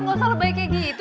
gak usah lebih baik kayak gitu